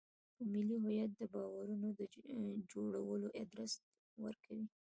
په ملي هویت د باورونو جوړولو ادرس ورکړي.